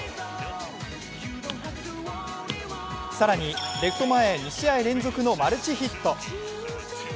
更に、レフト前へ２試合連続のマルチヒット。